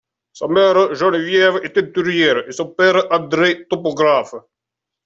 Sa mère, Geneviève, est teinturière et son père, André, topographe.